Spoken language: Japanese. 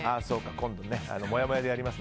今度もやもやでやりますよ。